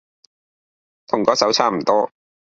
同嗰首差唔多